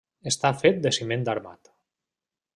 Està fet de ciment armat.